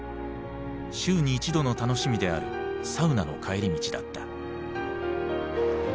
週に一度の楽しみであるサウナの帰り道だった。